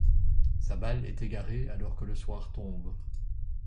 Sa balle est égarée alors que le soir tombe.